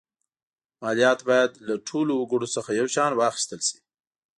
مالیات باید له ټولو وګړو څخه یو شان واخیستل شي.